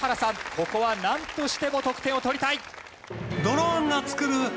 ここはなんとしても得点を取りたい。